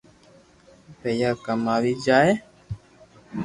پييا ڪماوي جائي